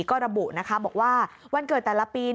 ก็ระบุนะคะบอกว่าวันเกิดแต่ละปี